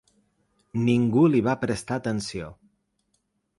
Ningú li va prestar atenció.